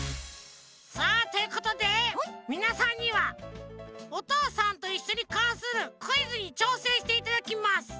さあということでみなさんには「おとうさんといっしょ」にかんするクイズにちょうせんしていただきます。